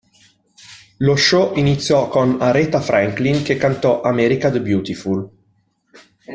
Lo show iniziò con Aretha Franklin che cantò "America the Beautiful".